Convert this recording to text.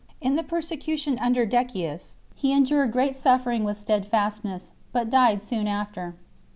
| In the persecution under Decius he endured great suffer ing with steadfastness, but died soon after.